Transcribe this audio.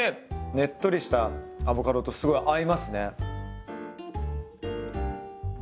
ネットリしたアボカドとすごい合いますね。